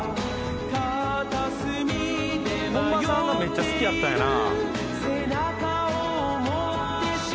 「本間さんがめっちゃ好きやったんやな」